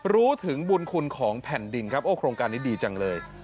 รู้ถึงบุญคุณของแผ่นดินครับโอ้โครงการนี้ดีจังเลย